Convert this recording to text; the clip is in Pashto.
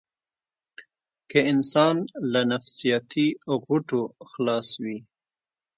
که انسان له نفسياتي غوټو خلاص وي.